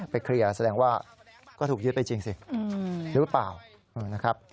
เคลียร์แสดงว่าก็ถูกยึดไปจริงสิหรือเปล่านะครับ